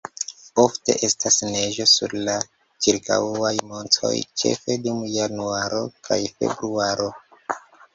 Ofte estas neĝo sur la ĉirkaŭaj montoj ĉefe dum januaro kaj februaro.